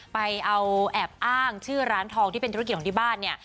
ไปเอาแอบอ้างชื่อร้านทองที่เป็นธุรกิจของที่บ้านเนี่ย